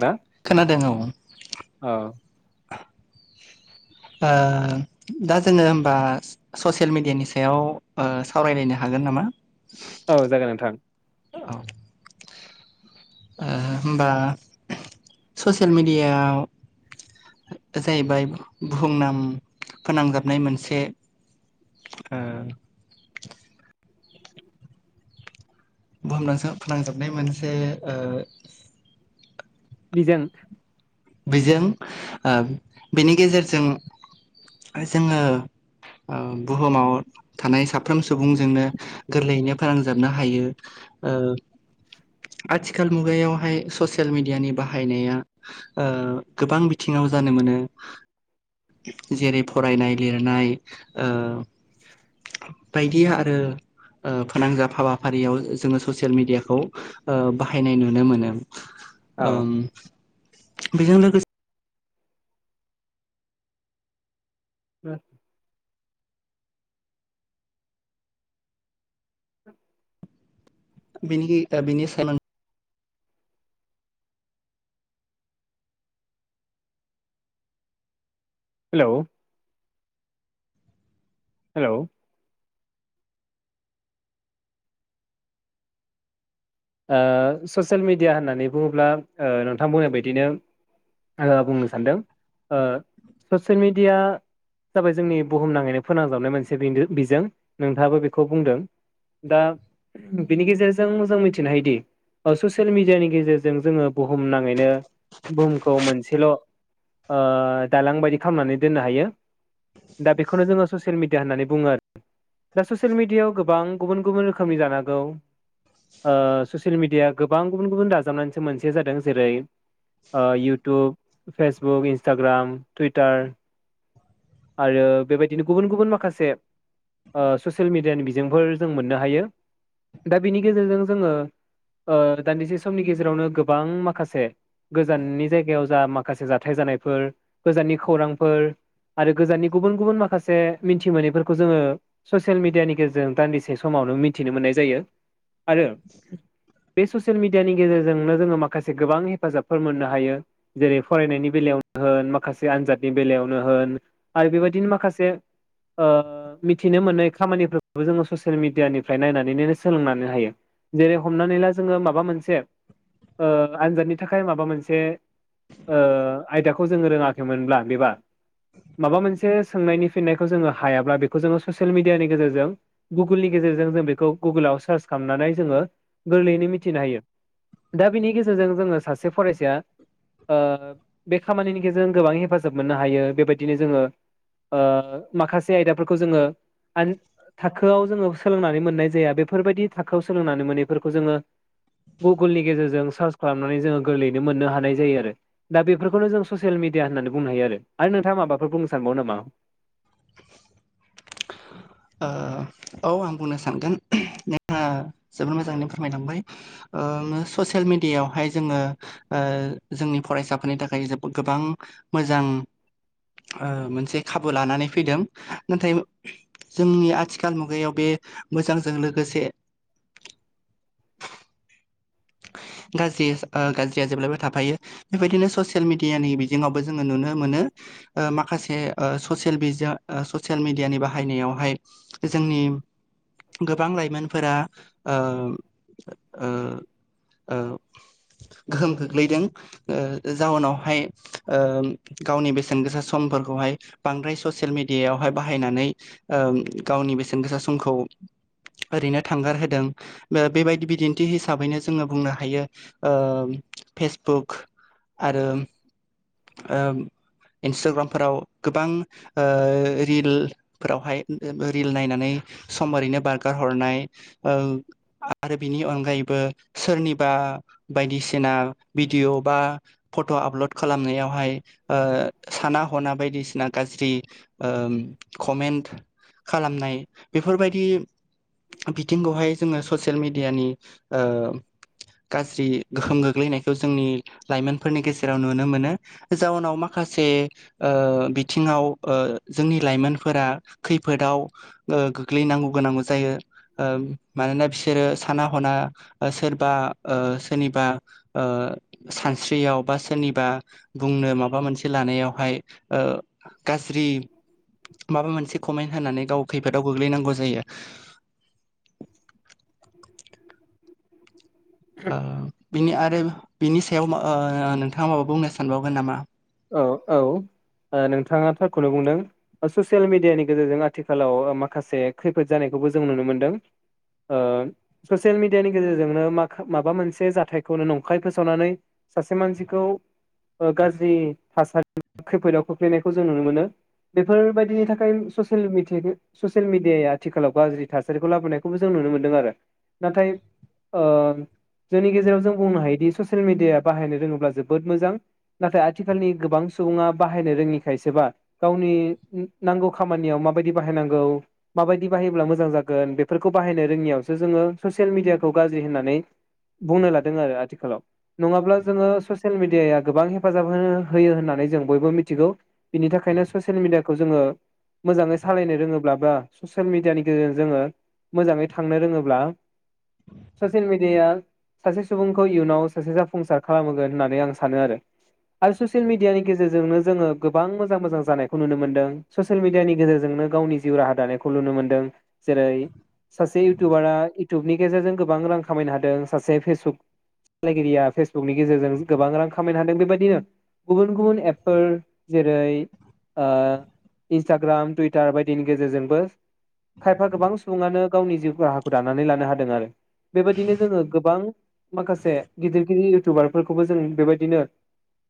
ना खोनादों औ। औ दा जोङो हबा ससियेल मेडियानि सायाव सावरायलायनो हागोन नामा? औ जागोन नोंथां। औ। होमबा ससियेल मेडियायाव जाहैबाय बुहुमनाम फोनांजाबनाय मोनसे बुहुम फोनांजोबनाय मोनसे अ बिजों। बिजों, बेनि गेजेरजों, जोङो बुहुमाव अ थानाय साफ्रोम सुबुंजोंनो गोरलैयैनो फोनांजाबनो हायो। अ आथिखाल मुगायावहाय ससियेल मेडियानि बाहायनाया अ गोबां बिथिङाव जानो मोनो जेरै फरायनाय लिरनाय। अ [inaudible] बायदि आरो अ फोनांजाब हाबाफारियाव अ जोङो ससियेल मेडियाखौ बाहायनाय नुनो मोनो। औ ं [inaudible] बेजों लोगो [inaudible] बिनि ओ बिनि [inaudible] हेलोव। हेलोव। ओ ससियेल मिडिया होननानै बुङोब्ला ओ नोंथांमोन बुंनाय बायदिनो। आं बुंनो सानदों ओ। ससियेल मिडिया जाबाय जोंनि बुहुमनाङैनो फोनांजाबनाय मोनसे बिजों नोंथाङाबो बेखौ बुंदों दा बिनि गेजेरजों जों मिथि मिनो हयदि ससियेल मिडियानि गेजेरजों जोंङो बुहुम नाङैनो बुहुमखौ मोनसेल, ओ दालां बायदि खालामनानै दोननो हायो दा बेखौनो जोंङो ससियेल मिडिया होननानै बुङो आरो दा ससियेल मिडियाव गोबां गुबुन गुबुन रोखोमनि जानांगौ। ओ ससियेल मेडियाआ गोबां गुबुन गुबुन दाजाबनानैसो मोनसे जादों, जेरै ओ इउटुब, फेसबुक, इन्स्टाग्राम, टुइटार आरो बेबायदिनो गुबुन गुबुन माखासे ओ ससियेल मिडियानि बिजोंफोर जों मोननो हायो दा बिनि गेजेरजों जोंङो ओ दान्दिसे समनि गेजेरावनो गोबां माखासे, गोजाननि जायगायाव जा माखासे जाथाय जानायफोर गोजाननि खौरांफोर आरो गोजाननि गुबुन गुबुन माखासे मिथि मोनैफोरखौ जोंङो, ससियेल मिडियानि गेजेरजों दान्दिसे समावनो मिथिनो मोननाय जायो। आरो, बे ससियेल मिडियानि गेजेरजोंनो जोंङो माखासे गोबां हेफाजाबफोर मोननो हायो। जेरै फरायनायनि बेलायावनो होन माखासे आनजादनि बेलायावनो होन, आरो बेबायदिनो माखासे ओ मिथिनो मोननाय खामानिफोरखौबो जोंङो ससियेल मिडियानिफ्राय नायनानैनो सोलोंनानै हायो। जेरै हमनानै ला जोंङो माबा मोनसे, ओ आनजादनि थाखाय माबा मोनसे ओ, आयदाखौ जोंङो रोङाखैमोनब्ला बेबा माबा मोनसे सोंनायनि फिननायखौ जोङो हायाब्ला। बेखौ जोंङो ससियेल मिडियानि गेजेरजों गुगोलनि गेजेरजों जों बेखौ गुगोलाव सार्च खालामनानै जोङो गोरलैयैनो मिथिनो हायो। दा बिनि गेजेरजों जोंङो सासे फरायसाया ओ बे खामानिनि गेजेरजों गोबां हेफाजाब मोननो हायो, बेबायदिनो जोंङो ओ माखासे आयदाफोरखौ जोंङो आन थाखोआव जोंङो सोलोंनानै मोननाय जाया, बेफोरबायदि थाखो सोलोंनानै मोनिफोरखौ जोंङो गुगुलनि गेजेरजों। सार्च खालामनानै जोंङो गोरलैनो मोननो हानाय जायो आरो। दा बेफोरखौनो जों ससियेल मिडिया मिडिया होननानै बुंनो हायो आरो, नोंथाङा माबाफोर बुंनो सानबावो नामा? ओ औ आं बुंनो सानगोन, नोंथा जोबोद मोजाङै फोरमायलांबाय। ओ ससियेल मेडियावहाय जोंङो ओ जोंनि फरायसाफोरनि थाखा गोबां मोजां ओ मोनसे खाबु लानानै फैदों। नाथाय जोंनि आथिखाल मुगायाव बे मोजांजों लोगोसे गाज्रि गाज्रिया जेब्लायबो, थाफायो बेबायदिनो ससियेल मिडियानि बिजोंङावबो जोंङो नुनो मोनो। ओ माखासे सेल ससियेल मिडियानि बाहायनायावहाय जोंनि गोबां लाइमोनफोरा। ओ ओ ओ गोहोम खोख्लैदों। ओ जाउनावहाय ओ गावनि बेसेन गोसा समफोरखौहाय बांद्राय ससियेल मिे मिडियायावहाय बाहायनानै। ओ गावनि बेसेन गोसा समखौ ओरैनो थांगारहोदों बेबायदि बिदिन्थि हिसाबैनो जोंङो बुंनो हायो अ फेसबुक आरो, ओ इन्सटाग्रामफोराव गोबां ओ रिलफोरावहाय रिल नायनानै सम ओरैनो बारगार हरनाय ओ आरो बिनि अनगायैबो सोरनिबा बायदिसिना भिडिअ' बा फट' आप्लद खा खालामनायावहाय ओ साना हना बायदिसिना गाज्रि ओ कमेन्ट खालामनाय बेफोरबायदि बिथिंखौहाय जोंङो ससियेल मिडियानि ओ गाज्रि गोहोम गोग्लैनायखौ जोंनि लाइमोनफोरनि गेजेराव नु नो मोनो। जाउनाव माखासे ओ बिथिङाव ओ जोंनि लाइमोनफोरा खैफोदाव ओ गोग्लैनांगौ गोनांबो जायो। ओ मानोना बिसोरो साना हना सोरबा ओ सोरनिबा ओ सानस्रियाव बा सोरनि बुंनो माबा मोनसे लानायावहाय ओ गाज्रि माबा मोनसे कमेन्ट होनानै गाव खैफोदाव गोग्लैनांगौ जायो। ओ बिनि आरो बिनि सायाव ओ नोंथाङा माबा बुंनो सानबावगोन नामा? औ औ नोंथाङा थारखौनो बुंदों। ससियेल मेडियानि गेजेरजों आथिखालाव माखासे खैफोद जानायखौबो जों नुनो मोनदों। ओ ससियेल मेडियानि गेजेरजोंनो माखा माबा मोनसे जाथायखौनो नंखाय फोसावनानै सासे मानसिखौ गाज्रि थासारि खैफोदाव खोख्लैनायखौ जों नुनो मोनो। बेफोरबायदिनि थाखाय ससियेल मिथियाखो ससियेल मिडियाया आथिखालाव गाज्रि थासारिखौ लाबोनायखौबो जों नुनो मोनदों आरो। नाथाय ओ जोंनि गेजेराव जों बुंनो हायोदि ससियेल मिडिया बाहायनो रोङोब्ला जोबोद मोजां। नाथाय आ थिखालनि गोबां सुबुङा बाहायनो रोङि खायसोबा गावनि नांगौ खामानियाव माबायदि बाहायनांगौ माबायदि बाहायोब्ला मोजां जागोन बेफोरखौ बाहायनो रोङियावसो जोंङो ससियेल मिडियाखौ गाज्रि होननानै बुंनो लादों आरो आथिखालाव। नङाब्ला जोंङो ससियेल मिडियाव गोबां हेफाजाब बबो होयो होननानै जों बयबो मिथिगौ बिनि थाखायनो ससियेल मिडियाखौ जोंङो मोजाङै सालायनो रोङोब्ला बा ससियेल मिडियानि गेजेरजों जोङो मोजाङै थांनो रोङोब्ला ससियेल मिडिया सासे सुबुंखौ इयुनाव सासे जाफुंसार खालाहोगोन होननानै आं सानो आरो। आरो ससियेल मिडियानि गेजेरजोंनो जोंङो गोबां मोजां मोजां जानायखौ नुनो मोनदों। ससियेल मिडियानि गेजेरजोंनो गावनि जिउ राहा दानायखौ नुनो मोनदों। जेरै सासे इउटुबारा इउटुबनि गेजेरजों गोबां रां खामायनो हादों सासे फेसबुक सालायगिरिया फेसबुकनि गेजेरजों गोबां रां खामायनो हादों। बेबायदिनो गुबुन गुबुन एपफोर जेरै ओ इन्सटाग्राम, टुइटार बायदिनि गेजेरजोंबो खायफा गोबां सुबुङानो गावनि जिउ राहाखौ दानानै लानो हादों आरो बेबायदिनो जोंङो गोबां माखासे गिदिर गिदिर इउटुबारफोरखौबो जों बेबायदिनो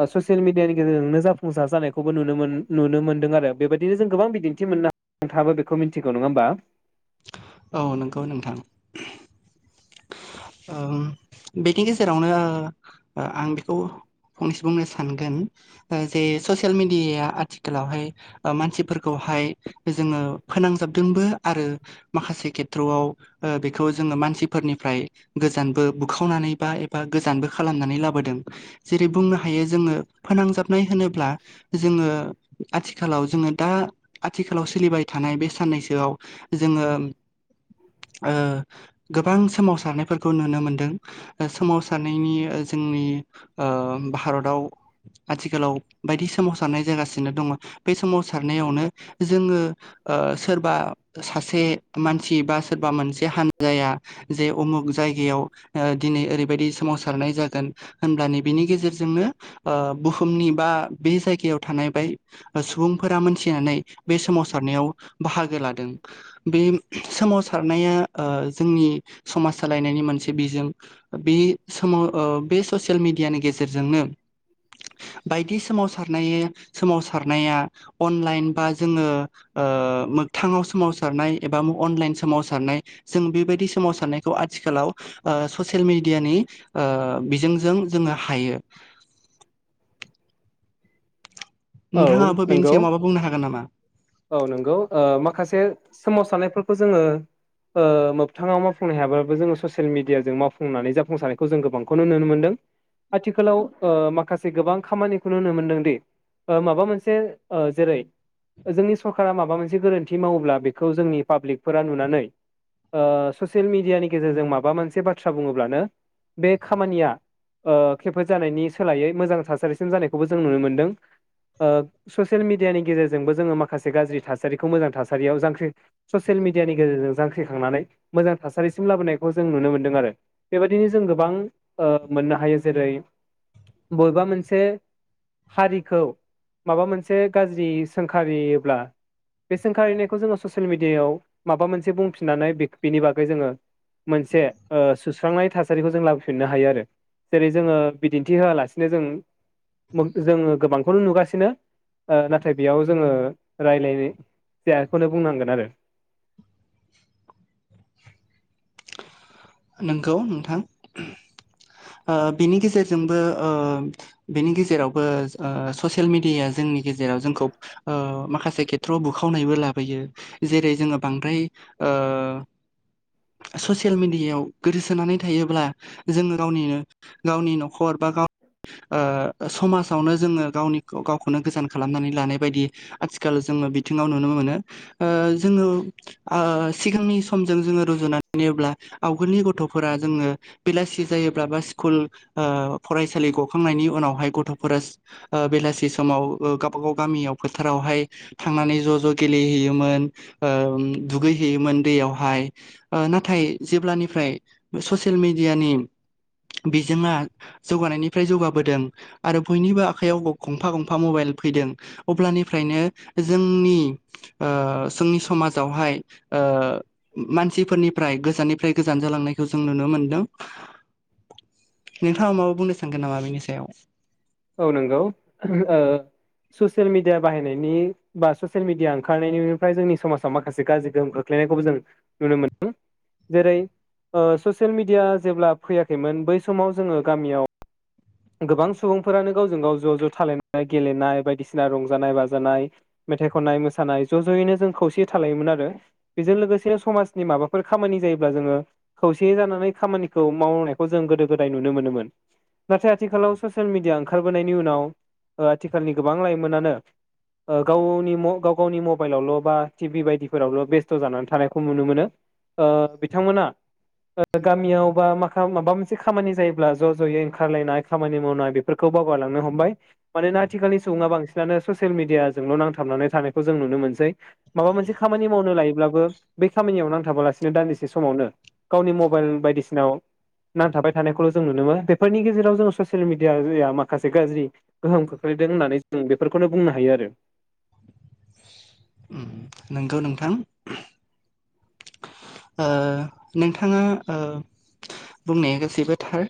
ओ ससियेल मिडियानि गेजेरजोंनो जाफुंसार जानायखौबो नुनो मोन नुनो मोनदों आरो बेबायदिनो जों गोबां बिदिन्थि मोननो नोंथांबो बेखौ मिथिगौ नङा होमबा। औ नोंगौ नोंथां। उम बेनि गेजेरावनो आं बेखौ फंनैसो बुंनो सानगोन जे ससियेल मेडियाया आथिखालावहाय ओ मानसिफोरखौहाय जोङो फोनांजाब दोंबो आरो माखासे खेथ्र'आव बेखौ जोङो मानसिफोरनिफ्राय गोजानबो बुखावनानै बा एबा गोजानबो खालामनानै लाबोदों। जेरै बुंनो हायो जोङो फोनांजाबनाय होनोब्ला जोङो आथिखालाव जोङो दा आथिखालाव सोलिबाय थानाय बे साननैसोआव जोङो ओ गोबां सोमावसारनायफोर खौ नुनो मोनदों। सोमावसारनायनि जोंनि भारताव आथिखालाव बायदि सोमावसारनाय जागासिनो दङ। बे सोमावसार नायावनो जोङो ओ सोरबा सासे मानसि बा सोरबा मोनसे हानजाया जे उमुख जाय जायगायाव ओ दिनै ओरैबायदि सोमावसारनाय जागोन होनबानो बिनि गेजेरजोंनो बुहुमनि बा बे जायगायाव थानाय बाय सुबुंफोरा मोनथिनानै बे सोमावसारनायाव बाहागो लादों। बे सोमावसारनाया ओ जोंनि समाज सालाय नायनि मोनसे बिजों। बे समाव अ बे ससियेल मिडियानि गेजेरजोंनो बायदि सोमावसारनाय सोमावसारनाया अन लाइन बा जोङो ओ मोगथांव सोमावसारनाय एबा अनलाइन सोमावसारनाय जों बेबायदि सोमावसारनायखौ आथिखालाव ओ ससियेल मिडियानि ओ बिजोंजों जोङो हायो। औ नोंथाङाबो बेनि नंगौ सायाव माबा बुंनो हागोन नामा? औ नोंगौ ओ माखासे सोमावसारनायफोरखौ जोङो ओ मोगथाङाव मावफुंनो हायाबाबो जोङो ससियेल मिडियाजों मावफुंनानै जाफुंसारनायखौ जों गोबांखौनो नुनो मोनदों आथिखालाव ओ माखासे गोबां खामानिखौ नुनो मोनदों दि माबा मोनसे जेरै जोंनि सरकारा माबा मोनसे गोरोन्थि मावोब्ला बेखौ जोंनि पाब्लिकफोरा नुनानै ससियेल मिडियानि गेजेरजों माबा मोनसे बाथ्रा बुङोब्लानो बे खामानिया खैफोद जानायनि सोलायै मोजां थासारिसिम जानायखौबो जों नुनो मोनदों ओ ससियेल मिडियानि गेजेरजों जोंबो माखासे गाज्रि थासिरिखौ मोजां थासारियाव जांख्रि ससेयल मिडियानि गेजेरजों जांख्रिखांनानै मोजां थासिम लाबोनाय जों नुनो मोनदों आरो बेबायदिनो जों गोबां ओ मोननो हायो जेरै बबेबा मोनसे हारिखौ माबा मोनसे गाज्रि सोंखारियोब्ला बे सोंखारिनायखौ जोङो ससियेल मिडियायाव माबा मोनसे बुंफिननानै बेनि बागै जोङो मोनसे सुस्रांनाय थासारिखौ जों लाबोफिननो हायो आरो जेरै जोङो बिदिन्थि होआलासिनो जों जोङो गोबांखौनो नुगासिनो नाथाय बेयाव जोङो रायज्लायनाय जायाखौनो बुंनांगोन आरो नंगौ नोंथां ओ बेनि गेजेरजोंबो ओ बेनि गेजेरावबो ससियेल मेडियाया जोंनि गेजेराव जोंखौ ओ माखासे खेथ्रआव बुखावनायबो लाबोयो जेरै जोङो बांद्राय ओ ससियेल मिडियायाव गोदोसोनानै थायोब्ला जोङो गावनिनो गावनि न'खर बा गाव ओ समाजावनो जोङो गावनि गावखौनो गोजान खालामनानै लानाय बायदि आथिखाल जोङो बिथिङाव नुनो मोनो जोङो ओ सिगांनि समजों जोङो रुजुनानै नायोब्ला सिखुलनि गथ'फोराजोंनो बेलासि जायोबा सिखुल ओ फ सालि गखांनायनि उनावहाय गथ'फोरा बेलासि समाव गावबा गाव गामियाव फोथारावहाय थांनानै ज' ज' गेलेहैयोमोन ओ दुगैहैयोमोन दैयावहाय ओ नाथाय जेब्लानि फ्राय ससियेल मेडियानि बिजोङा जौगानायनिफ्राय जौगाबोदों आरो बयनिबो आखयाव गंफा गंफा मबाइल फैदों अब्लानिफ्रायनो जोंनि ओ जोंनि समाजावहाय ओ मानसिफोरनिफ्राय गोजाननिफ्राय गोजान जालांनायखौ जों नुनो मोनदों नोंथाङा माबा बुंनो सानगोन नामा बेनि सायाव? औ नंगौ ओ ससियेल मिडिया बाहायनायनि बा ससियेल मिडिया ओंखारनायनिफ्राय जोंनि समाजाव माखासे गाज्रि गोहोम खोख्लैनायखौबो जों नुनो मोनदों जेरै ससियेल मिडिया जेब्ला फैयाखैमोन बै समाव जोङो गामियाव गोबां सुबुंफोरानो गावजों गाव ज' ज' थालायनाय गेलेनाय बायदिसिना रंजानाय बाजानाय मेथाइ खननाय मोसानाय ज' ज'यैनो जों खौसेयै थालायोमोन आरो बेजों लोगोसे समाजनि माबाफोर खामानि जायोब्ला जोङो खौसेयै जानानै खामानिखौ मावनायखौ जों गोदो गोदाय नुनो मोनोमोन। नाथाय आथिखालाव ससियेल मिडिया ओंखारबोनायनि उनाव आथिखालनि गोबां लाइमोनानो गावनि गाव गावनि मबाइलावल' बा टिभि बायदिफोरावल' बेस्थ' जानानै थानायखौ नुनो मोनो ओ बिथांमोना गामियाव बा माखा माबा मोनसे खामानि जायोब्ला ज' ज'यै ओंखारलायनाय खामानि मावनाय बेफोरखौ बावगारलांनो हमबाय मानोना आथिखालनि सुबुङा बांसिनानो ससियेल मिडियााजोंल' नांथाबनानै थानायखौ जों नुनो मोनसै माबा मोनसे खामानि मावनो लायोब्लाबो बे खामानियाव नांथाबालासिनो दान्दिसे समावनो गावनि मबाइल बायदिसिना आव नांथाबाय थानायखौल' जों नुनो मोनो बे बे फोरनि गेजेराव जोङो ससियेल मिडियाया माखासे गाज्रि गोहोम खोख्लैदों होननानै जों बेफोरखौनो बुंनो हायो आरो। उम नोंगौ नोंथां। ओ नोंथाङा ओ बुंनाया गासैबोथार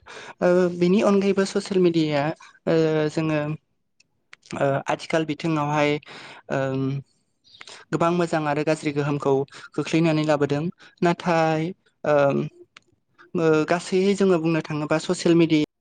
बिनि अनगायैबो ससियेल मेडियाया जोङो ओ आथिखाल बिथिङावहाय गोबां मोजां आरो गाज्रि गोहोमखौ खोख्लैनानै लाबोदों। नाथाय ओं गासै जोङो बुंनो थाङोबा ससियेल मिडिया